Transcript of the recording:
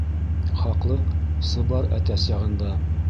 Хаҡлыҡ сыбар әтәс яғында.